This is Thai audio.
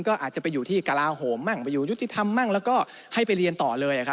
๑๐๐๐ก็อาจจะไปอยู่ที่กาลาโหมไปอยู่ยุติธรรมแล้วก็ให้ไปเรียนต่อเลย